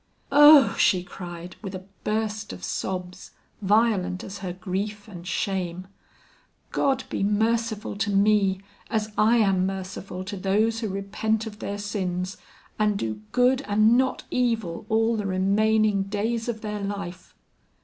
"Oh," she cried, with a burst of sobs, violent as her grief and shame, "God be merciful to me, as I am merciful to those who repent of their sins and do good and not evil all the remaining days of their life."